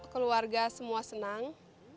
keluarga semua senang